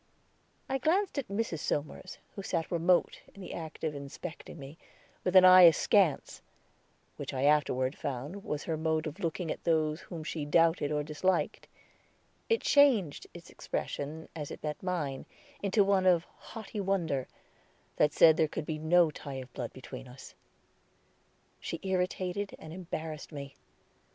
I glanced at Mrs. Somers, who sat remote, in the act of inspecting me, with an eye askance, which I afterward found was her mode of looking at those whom she doubted or disliked; it changed its expression, as it met mine, into one of haughty wonder, that said there could be no tie of blood between us. She irritated and embarrassed me.